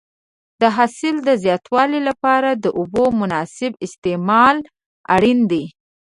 د حاصل د زیاتوالي لپاره د اوبو مناسب استعمال اړین دی.